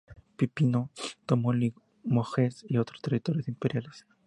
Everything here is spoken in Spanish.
Pipino tomó Limoges y otros territorios imperiales.